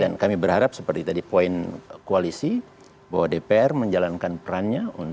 dan kami berharap seperti tadi poin koalisi bahwa dpr menjalankan perannya untuk